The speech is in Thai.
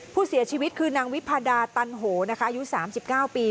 ผู้เสียชีวิตคือนางวิภาดาตัณโหนะคะอายุสามสิบเก้าปี